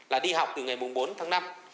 là đi học từ ngày bốn tháng năm